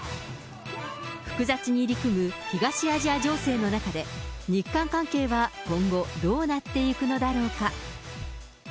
複雑に入り組む東アジア情勢の中で、日韓関係は今後どうなっていくのだろうか。